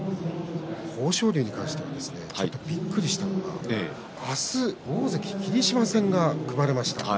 豊昇龍に関してはちょっとびっくりしたのが明日は大関霧島戦が組まれました。